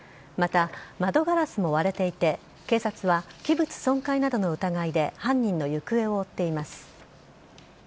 また、窓ガラスも割れていて、警察は器物損壊などの疑いで、犯人の行方を追っています。